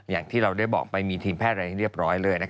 อย่างที่เราได้บอกไปมีทีมแพทย์อะไรเรียบร้อยเลย